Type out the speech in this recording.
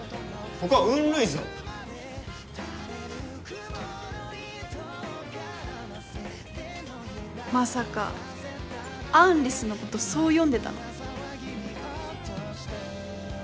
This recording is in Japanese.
ここはウン・ルイズのまさかアン・リスのことそう読んでたの？